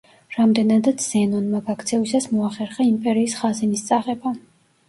რამდენადაც ზენონმა, გაქცევისას, მოახერხა იმპერიის ხაზინის წაღება.